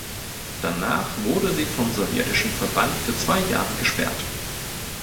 Danach wurde sie vom sowjetischen Verband für zwei Jahre gesperrt.